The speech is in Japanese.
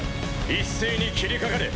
一斉に斬りかかれ。